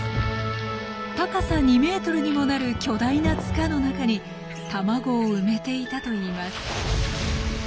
高さ２ｍにもなる巨大な塚の中に卵を埋めていたといいます。